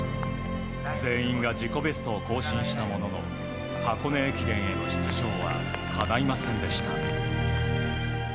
全員が自己ベストを更新したものの箱根駅伝への出場はかないませんでした。